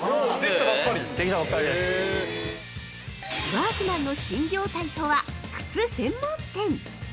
◆ワークマンの新業態とは靴専門店！